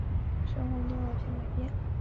东莱县被升格为东莱都护府。